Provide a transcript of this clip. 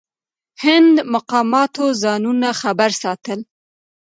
هند مقاماتو ځانونه خبر ساتل.